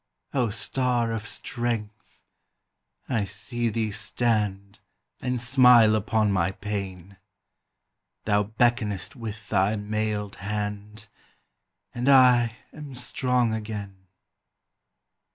O star of strength! I see thee stand And smile upon my pain; Thou beckonest with thy mailed hand, And I am strong again.